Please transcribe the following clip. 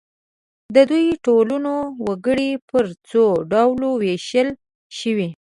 د دې ټولنو وګړي پر څو ډلو وېشل شوي.